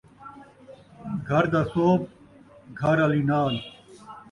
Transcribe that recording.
گھر دا سوبھ گھر آلی نال